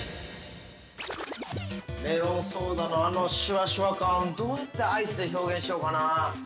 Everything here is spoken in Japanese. ◆メロンソーダのあのシュワシュワ感、どうやってアイスで表現しようかな。